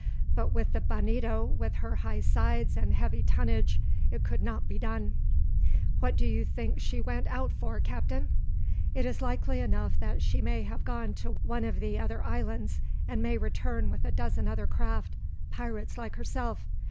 But with the Bonito, with her high sides and heavy tonnage, it could not be done." "What do you think she went out for, captain?" "It is likely enough that she may have gone to one of the other islands, and may return with a dozen other craft, pirates like herself.